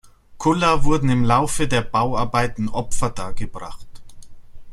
Kulla wurden im Laufe der Bauarbeiten Opfer dargebracht.